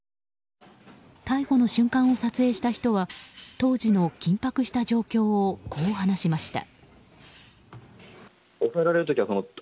逮捕の瞬間を撮影した人は当時の緊迫した状況をこう話しました。